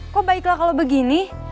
kok baiklah kalau begini